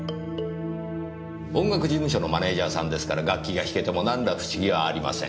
音楽事務所のマネージャーさんですから楽器が弾けても何ら不思議はありません。